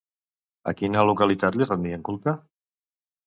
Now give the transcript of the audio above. A quina localitat li rendien culte?